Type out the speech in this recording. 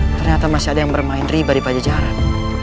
ternyata masih ada yang bermain ribe di pajajaran